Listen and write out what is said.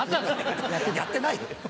やってないよ。